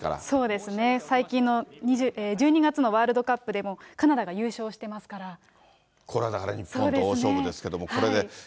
そうですね、最近の１２月のワールドカップでもカナダが優勝してますから。